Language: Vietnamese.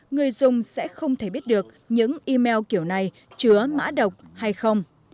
người dùng sẽ không thể biết được những email kiểu này chứa mã độc hay không